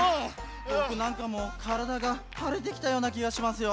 ぼくなんかもうからだがはれてきたようなきがしますよ。